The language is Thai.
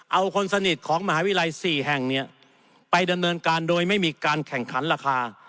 เอาคนสนิทของมหาวิทยาลัย๔แห่งเนี่ยไปดำเนินการโดยไม่มีการแข่งขันราคา